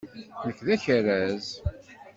Nekk d akerraz.